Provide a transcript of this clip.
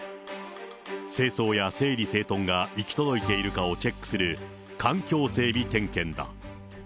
清掃や整理整頓が行き届いているかをチェックする環境整備点検だ。